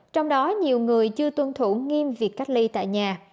trong đó nhiều người chưa tuân thủ nghiêm việc cách ly tại nhà